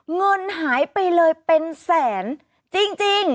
เงินหายไปเลยเป็นแสนจริง